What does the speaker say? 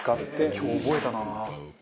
今日覚えたな。